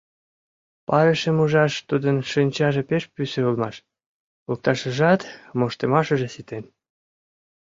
Парышым ужаш тудын шинчаже пеш пӱсӧ улмаш, лукташыжат моштымашыже ситен.